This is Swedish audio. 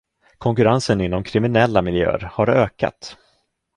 Konkurrensen inom kriminella miljöer har ökat.